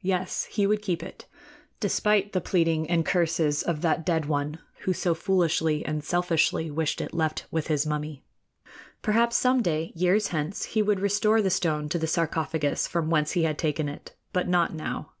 Yes; he would keep it, despite the pleading and curses of that dead one who so foolishly and selfishly wished it left with his mummy. Perhaps some day, years hence, he would restore the stone to the sarcophagus from whence he had taken it; but not now.